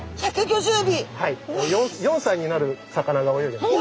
４歳になる魚が泳いでます。